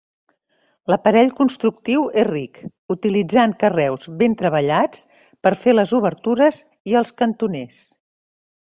L'aparell constructiu és ric, utilitzant carreus ben treballats per fer les obertures i els cantoners.